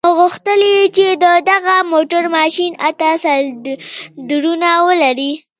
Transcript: نو غوښتل يې چې د دغه موټر ماشين اته سلنډرونه ولري.